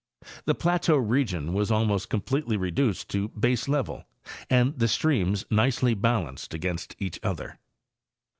The plateau region was almost completely reduced to baselevel and the streams nicely balanced against each other.